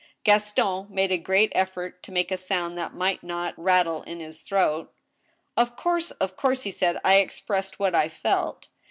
Gaston made a great effort to make a sound that might not rat tle in his throat. " Of course, of course," he said ;" I expressed what I felt."